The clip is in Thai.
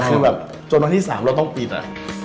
คือแบบจนวันที่๓เราต้องปิดอะ